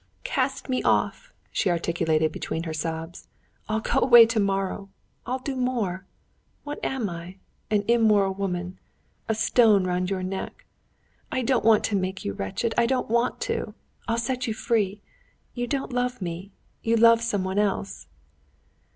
"Cast me off!" she articulated between her sobs. "I'll go away tomorrow ... I'll do more. What am I? An immoral woman! A stone round your neck. I don't want to make you wretched, I don't want to! I'll set you free. You don't love me; you love someone else!"